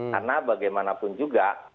karena bagaimanapun juga